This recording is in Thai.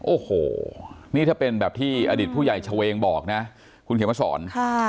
โอ้โหนี่ถ้าเป็นแบบที่อดีตผู้ใหญ่เฉวงบอกนะคุณเขียนมาสอน